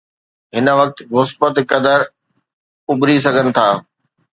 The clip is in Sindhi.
هن وقت مثبت قدر اڀري سگهن ٿا.